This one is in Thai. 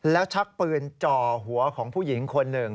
แล้วชักปืนจ่อหัวของผู้หญิงคนหนึ่ง